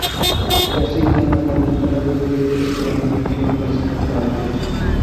اور جیسے ہی انھیں موقع ملتا ہے وہ بے دریغ قانون کی خلاف ورزی کر ڈالتے ہیں